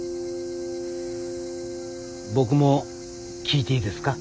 僕も聞いていいですか？